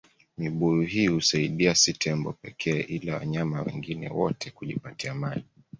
Mibuyu hii husaidia si tembo pekee ila wanyama wengine wote kujipatia maji